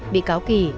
bị cáo kì